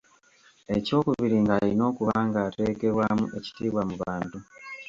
Ekyokubiri ng’alina okuba ng’ateekebwamu ekitiibwa mu bantu.